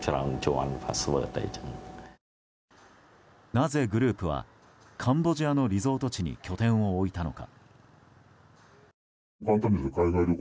なぜ、グループはカンボジアのリゾート地に拠点を置いたのか。